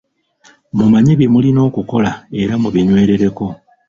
Mumanye bye mulina okukola era mubinywerereko.